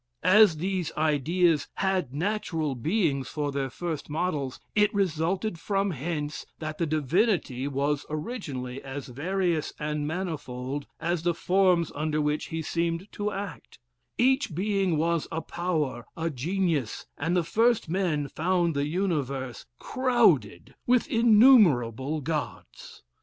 "As these ideas had natural beings for their first models, it resulted from hence that the divinity was originally as various and manifold as the forms under which he seemed to act: each being was a power, a genius, and the first men found the universe crowded with innumerable Gods.